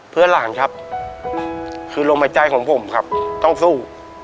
เพื่อหลานครับคือลมหายใจของผมครับต้องสู้